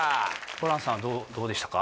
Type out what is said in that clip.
ホランさんどうどうでしたか？